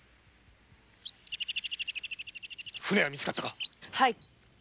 船は見つかったか？